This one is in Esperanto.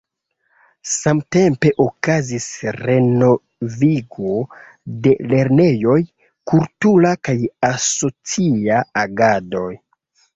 Samtempe okazis renovigo de lernejoj, kultura kaj asocia agadoj.